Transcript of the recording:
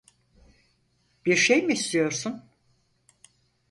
Bir şey mi istiyorsun?